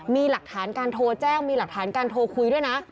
มีหลักฐานการโทรแจ้งมีหลักฐานการโทรคุยด้วยนะ